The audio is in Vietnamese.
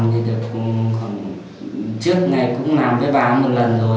thì được khoảng trước này cũng làm với bà một lần rồi